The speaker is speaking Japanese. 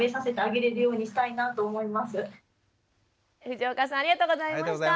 藤岡さんありがとうございました。